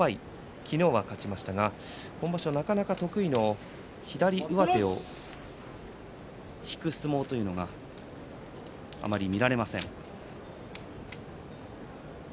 昨日は勝ちましたが今場所なかなか得意の左上手を引く相撲というのがあまり見られません。